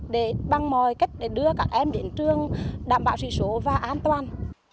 để bằng mọi cách đưa các em đến trường đảm bảo sự số và an toàn